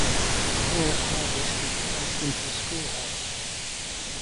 Everyone at Hargest is placed into a school house.